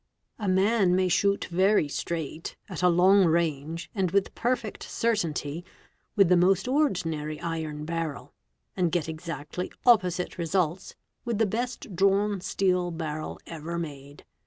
A man may shoot very straight, ~ at a long range and with perfect certainty, with the most ordinary iron" barrel, and get exactly opposite results with the best drawn steel barrel ever made.